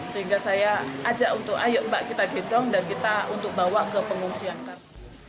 sehingga saya ajak untuk ayo mbak kita gedong dan kita untuk bawa ke pengungsian